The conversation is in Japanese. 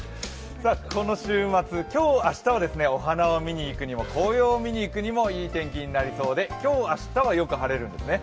この週末、今日・明日はお花を見に行くにも紅葉を見に行くにもいい天気になりそうで今日、明日はよく晴れるんですね。